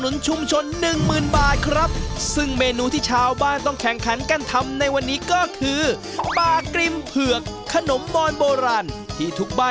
และช่วงนี้คือออปเตอร์ขอบรู้